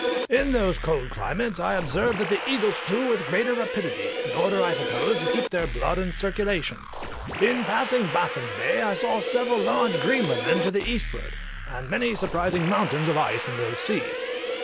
In those cold climates I observed that the eagles flew with greater rapidity, in order, I suppose, to keep their blood in circulation. In passing Baffin's Bay I saw several large Greenlandmen to the eastward, and many surprising mountains of ice in those seas.